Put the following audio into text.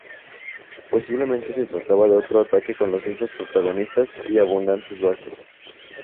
Posiblemente se trataba de otro ataque con los mismos protagonistas y abundantes bajas.